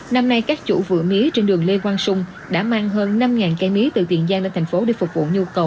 năm nay các chủ vựa mía trên đường lê quang sung đã mang hơn năm cây mía từ tiền giang lên thành phố để phục vụ nhu cầu